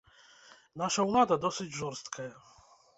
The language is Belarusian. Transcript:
Наша ўлада досыць жорсткая.